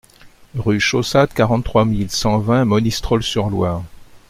Rue Chaussade, quarante-trois mille cent vingt Monistrol-sur-Loire